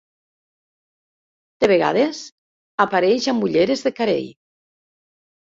De vegades, apareix amb ulleres de carei.